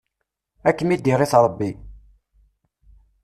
Ad kem-id-iɣit Rebbi!